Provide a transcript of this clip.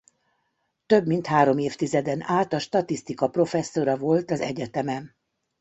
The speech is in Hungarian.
Több mint három évtizeden át a statisztika professzora volt az egyetemen.